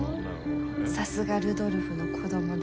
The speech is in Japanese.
「さすがルドルフの子どもだ！」